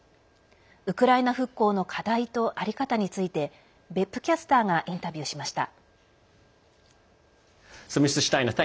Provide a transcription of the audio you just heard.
ウクライナ復興の課題と在り方について別府キャスターがインタビューしました。